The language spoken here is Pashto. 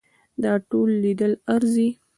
دا ټول لیدل ارزي.